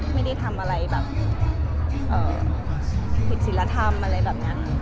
ไม่ได้ทำอะไรแบบผิดศิลธรรมอะไรแบบนี้